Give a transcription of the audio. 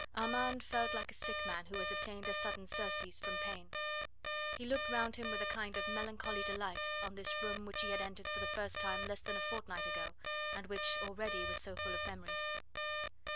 Armand felt like a sick man who has obtained a sudden surcease from pain. He looked round him with a kind of melancholy delight on this room which he had entered for the first time less than a fortnight ago, and which already was so full of memories.